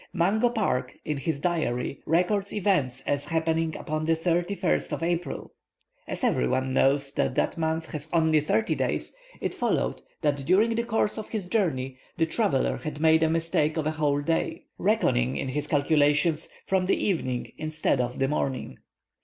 Mungo Park in his diary records events as happening upon the 31st of April. As every one knows that that month has only thirty days, it followed that during the course of his journey the traveller had made a mistake of a whole day, reckoning in his calculations from the evening instead of the morning.